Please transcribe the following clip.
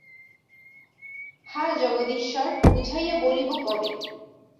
হা জগদীশ্বর, বুঝাইয়া বলিব কবে?